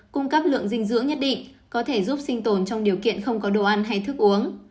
cung cấp lượng dinh dưỡng nhất định có thể giúp sinh tồn trong điều kiện không có đồ ăn hay thức uống